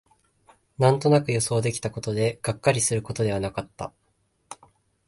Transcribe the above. なんとなく予想できたことで、がっかりすることではなかった